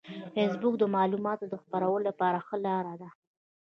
فېسبوک د معلوماتو د خپرولو لپاره ښه لار ده